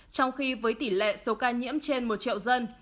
trong khi với tỷ lệ số ca nhiễm trên một triệu dân